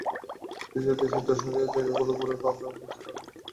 দেশের দর্শনীয় জায়গাগুলো ঘুরে ঘুরে আমরা দেশটাকে আরও ভালোভাবে জানতে চেষ্টা করি।